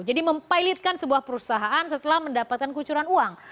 jadi mempilotkan sebuah perusahaan setelah mendapatkan kucuran uang